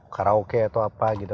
karaoke atau apa gitu